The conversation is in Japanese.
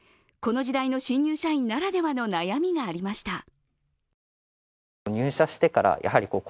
この時代の新入社員ならではの悩みがありました。